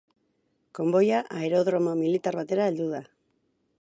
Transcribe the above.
Konboia aerodromo militar batera heldu da.